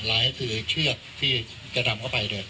ลายนี่คือเชือกที่จะนำเข้าไปเรื่อยต่อ